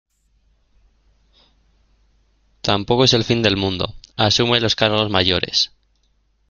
tampoco es el fin del mundo. asume los cargos mayores .